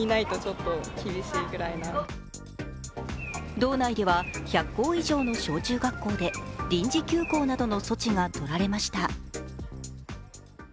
道内では１００校以上の小中学校で臨時休校などの措置が執られました。